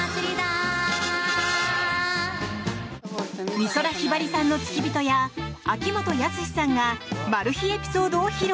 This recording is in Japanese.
美空ひばりさんの付き人や秋元康さんがマル秘エピソードを披露。